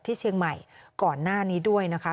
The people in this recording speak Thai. ที่เชียงใหม่ก่อนหน้านี้ด้วยนะคะ